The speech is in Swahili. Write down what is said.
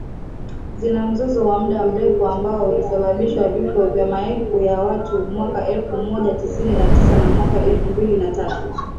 Zina mzozo wa muda mrefu ambao ulisababishwa vifo vya maelfu ya watu mwaka elfu Moja tisini na tisa na mwaka elfu mbili na tatu